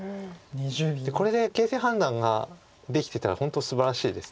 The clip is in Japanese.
これで形勢判断ができてたら本当すばらしいです。